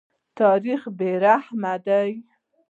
تاریخ بې رحمه دی.